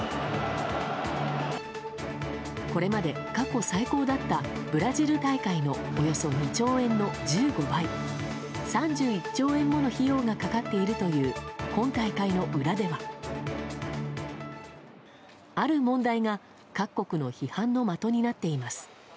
これまで過去最高だったブラジル大会のおよそ２兆円の１５倍３１兆円もの費用がかかっているという今大会の裏ではある問題が各国の批判の的になっています。